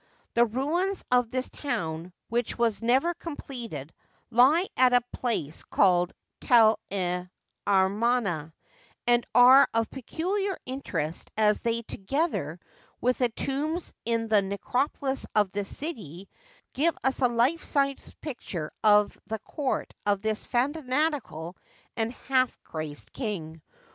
The ruins of this town, which was never completed, lie at a place called Tell el Amarna, and are of peculiar interest as they, together with the tombs in the necropolis of the city, give us a life like picture of the court of this fanatical and half crazed king.